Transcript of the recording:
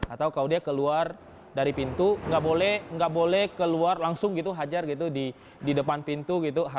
atau kalau dia keluar dari pintu nggak boleh keluar langsung gitu hajar gitu di depan pintu gitu